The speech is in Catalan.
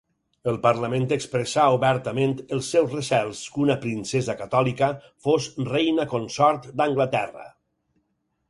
El Parlament expressà obertament els seus recels que una princesa catòlica fos reina consort d'Anglaterra.